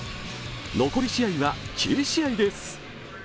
残り試合は９試合です。